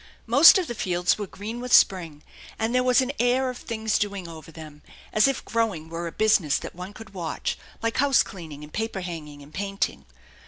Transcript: Most of the fields were green with spring, and there was an air of things doing over them, as if growing were a business that one could watch, like house cleaning and paper hanging and painting.